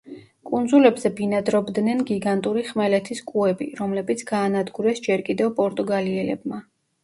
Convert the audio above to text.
კუნძულებზე ბინადრობდნენ გიგანტური ხმელეთის კუები, რომლებიც გაანადგურეს ჯერ კიდევ პორტუგალიელებმა.